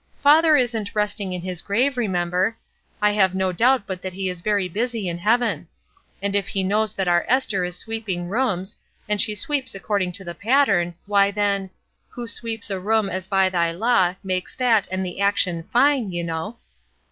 ^'Father isn't 'resting in his grave,' remember; I have no doubt but that he is very busy in heaven. And if he knows that our Esther is sweeping rooms, and she sweeps according to the pattern, why then —* Who sweeps a room as by thy law Makes that, and the action, fine,' you know."